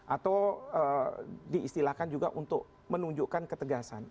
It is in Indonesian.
atau diistilahkan juga untuk menunjukkan ketegasan